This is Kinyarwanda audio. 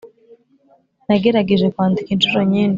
nagerageje kwandika inshuro nyinshi,